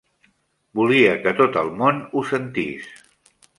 Volia que tot el món ho sentís.